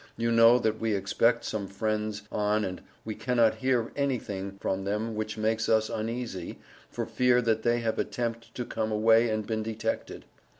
you know that we expect some freneds on and we cannot hear any thing from them which makes us uneasy for fear that they have attempt to come away and been detected.